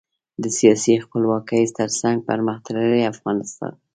د سیاسي خپلواکۍ ترڅنګ پرمختللي افغانستان.